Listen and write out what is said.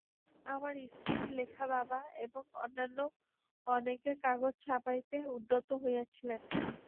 আমার স্ত্রীর লেখা বাবা এবং অন্যান্য অনেকে কাগজে ছাপাইতে উদ্যত হইয়াছিলেন।